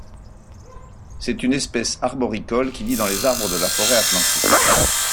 C'est une espèce arboricole qui vit dans les arbres de la forêt atlantique.